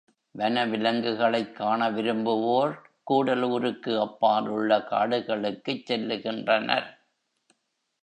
வன விலங்குகளைக் காண விரும்புவோர், கூடலூருக்கு அப்பால் உள்ள காடுகளுக்குச் செல்லுகின்றனர்.